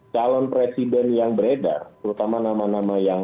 calon presiden yang beredar terutama nama nama yang